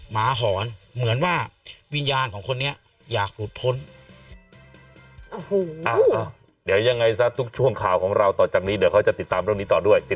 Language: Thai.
หมามันหอนเหมือนหมามันเห็นอะไรเดินเข้ามาแล้วมันก็มองกันตามที่คลิปที่ผมถ่ายไว้ได้